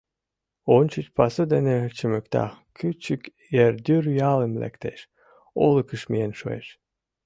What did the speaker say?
Ончыч пасу дене чымыкта, кӱчык Ердӱр ялым лектеш, олыкыш миен шуэш.